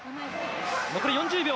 残り４０秒！